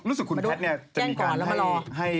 ลูกคุณแพทย์จะมีการ